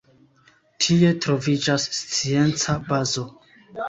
Tie troviĝas scienca bazo.